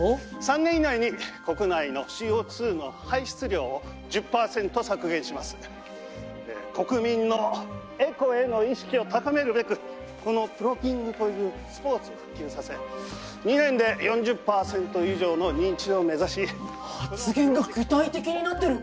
「３年以内に国内のＣＯ２の排出量を１０パーセント削減します」「国民のエコへの意識を高めるべくこのプロギングというスポーツを普及させ２年で４０パーセント以上の認知度を目指し」発言が具体的になってる！